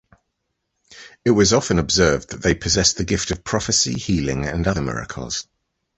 It was often observed that they possessed the gift of prophecy, healing, and other miracles.